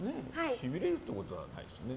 しびれることはないですね。